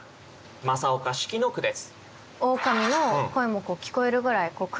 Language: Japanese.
正岡子規の句です。